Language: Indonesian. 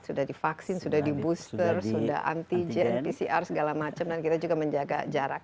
sudah divaksin sudah di booster sudah antigen pcr segala macam dan kita juga menjaga jarak